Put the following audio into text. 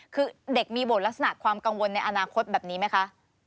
คือเด็กมีบทลักษณะความกังวลในอนาคตแบบนี้ไหมคะ